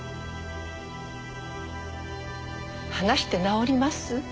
話して治ります？